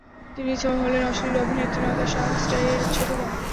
তিনি হলেন অশ্লীল অভিনেত্রী নাতাশা স্টার এর ছোট বোন।